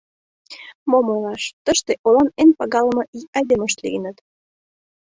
Мом ойлаш, тыште олан эн пагалыме айдемышт лийыныт.